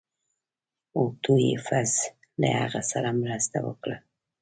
اوټو ایفز له هغه سره مرسته وکړه.